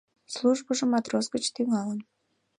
Службыжо матрос гыч тӱҥалын.